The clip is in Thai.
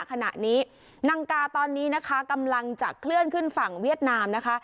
ขณะนี้นังกาตอนนี้นะคะกำลังจะเคลื่อนขึ้นฝั่งเวียดนามนะคะ